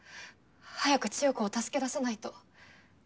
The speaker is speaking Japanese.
早く千世子を助け出さないと。